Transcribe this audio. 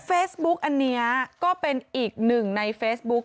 เฟซบุ๊กอันนี้ก็เป็นอีกหนึ่งในเฟซบุ๊ก